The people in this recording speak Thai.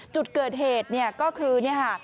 จุดเกิดเหตุเนี่ยก็คือเนี่ยค่ะ